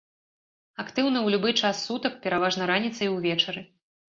Актыўны ў любы час сутак, пераважна раніцай і ўвечары.